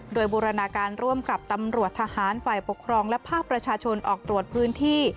โดยบูรณาการร่วมกับตำรวจทหารฝ่ายปกครองและภาคประชาชนออกตรวจพื้นที่